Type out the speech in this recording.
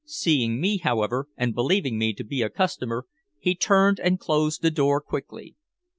Seeing me, however, and believing me to be a customer, he turned and closed the door quickly.